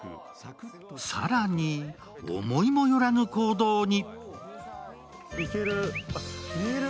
更に、思いもよらぬ行動に。